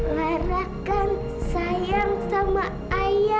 baikan itu sekarang ya